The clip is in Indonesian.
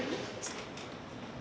walaupun standar lainnya tidak sama